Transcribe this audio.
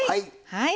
はい。